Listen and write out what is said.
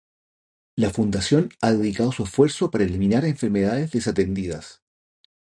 La fundación ha dedicado su esfuerzo para eliminar enfermedades desatendidas.